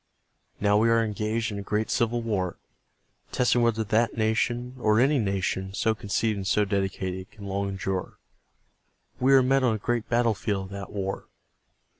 Now we are engaged in a great civil war. . .testing whether that nation, or any nation so conceived and so dedicated. .. can long endure. We are met on a great battlefield of that war.